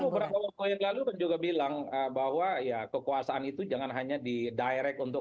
beberapa waktu yang lalu kan juga bilang bahwa ya kekuasaan itu jangan hanya di direct untuk